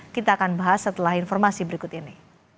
kita akan bahas setelah informasi berikut ini